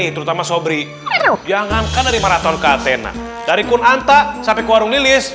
terutama sobri jangan kan dari maraton ke atena dari kunanta sampai ke warung nilis